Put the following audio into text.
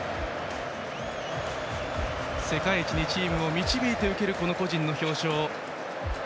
世界一にチームを導いて受ける個人の表彰。